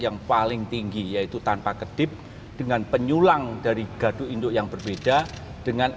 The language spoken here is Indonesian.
yang paling tinggi yaitu tanpa kedip dengan penyulang dari gado induk yang berbeda dengan